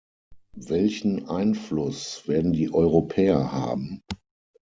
Welchen Einfluss werden die Europäer haben?